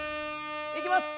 いきます！